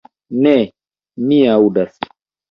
Ne, mi aŭdas.